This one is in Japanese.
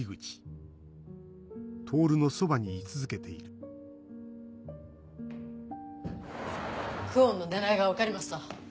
銃声久遠の狙いが分かりました。